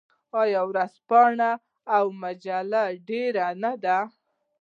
آیا ورځپاڼې او مجلې ډیرې نه دي؟